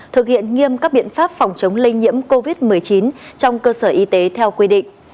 thực hiện nghiêm các biện pháp phòng chống lây nhiễm covid một mươi chín trong cơ sở y tế theo quy định